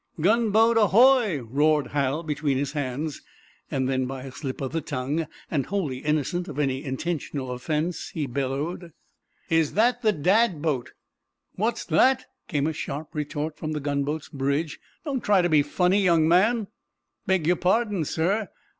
"Gun boat ahoy!" roared Hal, between his hands. Then, by a slip of the tongue, and wholly innocent of any intentional offense, he bellowed: "Is that the 'Dad' boat?" "What's that?" came a sharp retort from the gunboat's bridge. "Don't try to be funny, young man!" "Beg your pardon, sir.